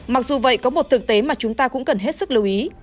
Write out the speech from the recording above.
mặc dù vậy có một thực tế mà chúng ta cũng cần hết sức lưu ý